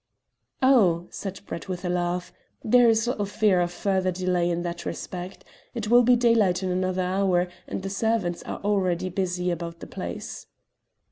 "Oh," said Brett with a laugh, "there is little fear of further delay in that respect. It will be daylight in another hour, and the servants are already busy about the place."